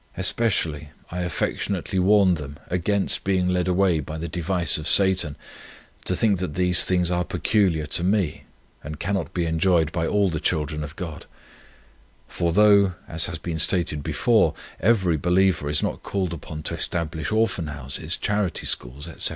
Especially I affectionately warn them against being led away by the device of Satan, to think that these things are peculiar to me, and cannot be enjoyed by all the children of God; for though, as has been stated before, every believer is not called upon to establish Orphan Houses, Charity Schools, etc.